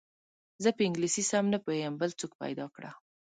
زه په انګلیسي سم نه پوهېږم بل څوک پیدا کړه.